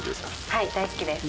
はい大好きです。